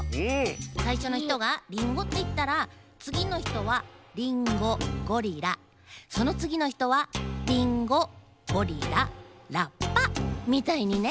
さいしょのひとが「リンゴ」っていったらつぎのひとは「リンゴゴリラ」そのつぎのひとは「リンゴゴリララッパ」みたいにね！